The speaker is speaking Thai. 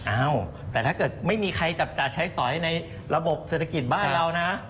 อ้าวแต่ถ้าเกิดไม่มีใครจับจ่ายใช้สอยในระบบเศรษฐกิจบ้านเรานะ